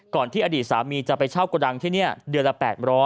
ที่อดีตสามีจะไปเช่ากระดังที่นี่เดือนละ๘๐๐